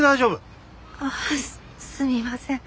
すみません。